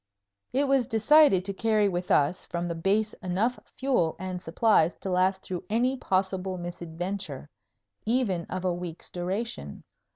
It was decided to carry with us from the Base enough fuel and supplies to last through any possible misadventure, even of a week's duration.